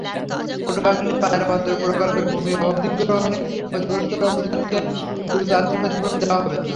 পটুয়াখালীর পায়রা বন্দর প্রকল্পের ভূমি অধিগ্রহণে ক্ষতিগ্রস্ত লোকজনকে দ্রুত আর্থিক ক্ষতিপূরণ দেওয়া হবে।